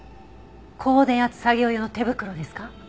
高電圧作業用の手袋ですか？